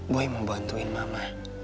boy mau bantuin mama